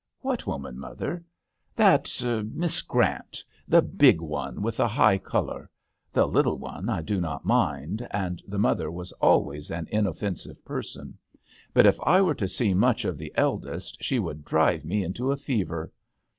" What woman, mother ?" "That Miss Grant; the big one with the high colour. The little one I do not mind, and the mother was always an inoffensive person ; but ff I were to see much of the eldest she would drive me into a fever.